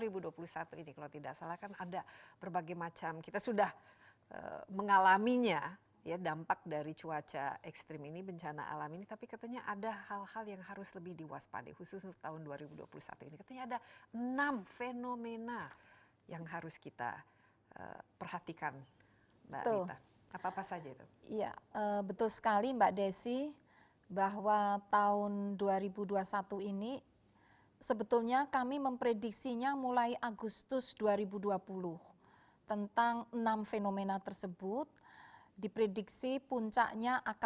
bagian dari dampak ya